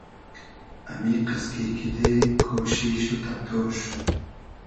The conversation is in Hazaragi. امیقئس کی کیدې کوشیش و تئبتۉش